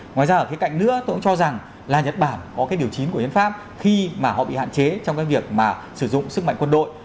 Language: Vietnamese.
ngoài ra ở cái cạnh nữa tôi cũng cho rằng là nhật bản có cái điều chín của hiến pháp khi mà họ bị hạn chế trong cái việc mà sử dụng sức mạnh quân đội